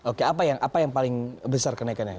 oke apa yang paling besar kenaikan nya